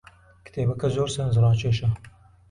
کتێبەکەی زۆر سەرنجڕاکێشە.